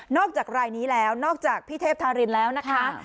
จากรายนี้แล้วนอกจากพี่เทพธารินแล้วนะคะ